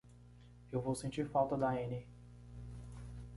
Eu vou sentir falta da Annie.